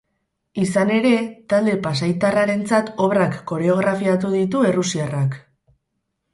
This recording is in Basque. Izan ere, talde pasaitarrarentzat obrak koreografiatu ditu errusiarrak.